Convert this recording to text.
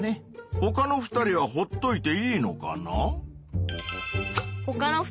ほかの２人はほっといていいのかな？